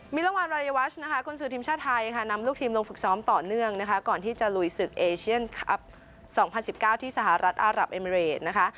มีรวรรณรายวาชคุณสือทีมชาติไทยนำลูกทีมลงฝึกซ้อมต่อเนื่องก่อนที่จะลุยศึกเอเชียนคับ๒๐๑๙ที่สหรัฐอัรับเอเมริเวร์ดนะคะ